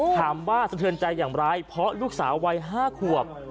ถามว่าสะเทินใจอย่างไรเพราะลูกสาววัย๕ขวบ